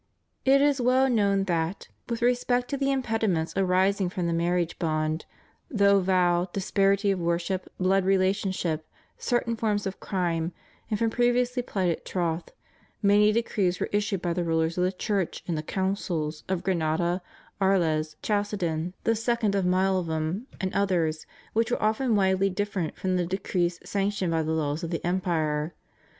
It is well known that, with respect to the impedi ments arising from the marriage bond, through vow, disparity of worship, blood relationship, certain forms of crime, and from previously plighted troth, many decrees were issued by the rulers of the Church in the Councils of Granada, Aries, Chalcedon, the second of Milevimi, and others, which were often widely different from the decrees sanctioned by the laws of the empire.